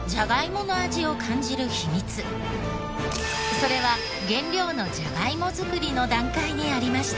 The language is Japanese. それは原料のジャガイモ作りの段階にありました。